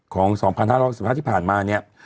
ของ๒๕๖๕ที่ผ่านมาเนี่ย